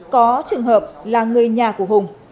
có trường hợp là người nhà của hùng